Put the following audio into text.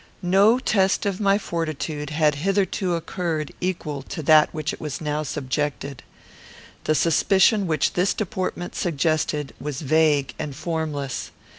No test of my fortitude had hitherto occurred equal to that to which it was now subjected. The suspicion which this deportment suggested was vague and formless.